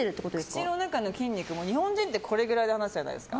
口の中の筋肉も日本人ってこれぐらいで話すじゃないですか。